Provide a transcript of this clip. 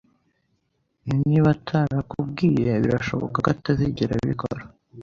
Niba atarakubwiye, birashoboka ko atazigera abikora.